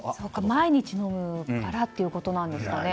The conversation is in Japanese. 毎日飲むからということなんですかね。